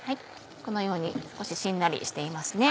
このように少ししんなりしていますね。